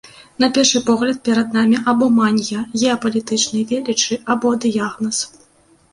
На першы погляд, перад намі або манія геапалітычнай велічы, або дыягназ.